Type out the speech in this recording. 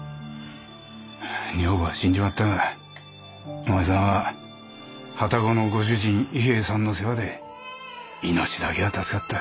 女房は死んじまったがお前さんは旅籠のご主人伊兵衛さんの世話で命だけは助かった。